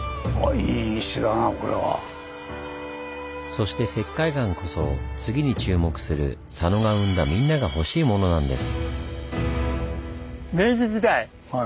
そして石灰岩こそ次に注目する佐野が生んだみんながほしいモノなんです。